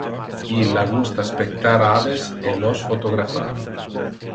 Illa gusta spectar aves e los photographar.